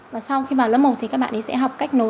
và sau khi vào lớp một thì các bạn ấy sẽ học cách nối